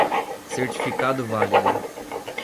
Certificado válido